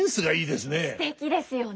すてきですよね。